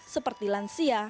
seperti lansia dina dan nantin